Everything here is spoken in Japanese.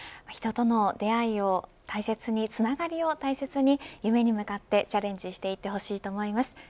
人との出会いを大切に、つながりを大切に夢に向かってチャレンジしていってほしいと思います。